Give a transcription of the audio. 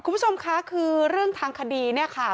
คุณผู้ชมคะคือเรื่องทางคดีเนี่ยค่ะ